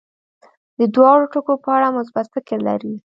د دواړو ټکو په اړه مثبت فکر لري.